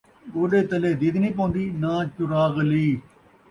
گوݙے تلے دید نئیں پون٘دی ، ناں چراغ علی